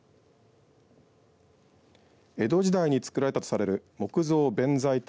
江戸時代につくられたとされる木造弁才天